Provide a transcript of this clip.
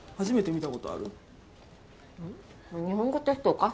初めて見たことある？